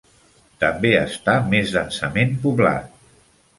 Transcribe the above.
També està més densament poblat.